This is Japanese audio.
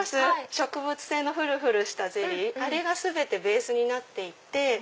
植物性のふるふるしたゼリーあれが全てベースになっていて。